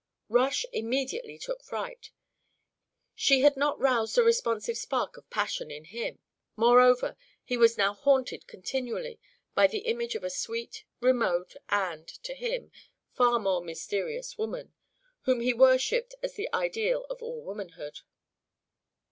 Rush immediately took fright. She had not roused a responsive spark of passion in him. Moreover, he was now haunted continually by the image of a sweet, remote, and (to him) far more mysterious woman, whom he worshipped as the ideal of all womanhood.